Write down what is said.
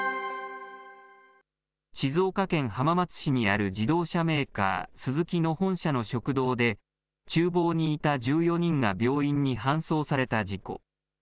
静岡県浜松市にある自動車メーカー、スズキの本社の食堂で、ちゅう房にいた１４人が病院に搬送された事故。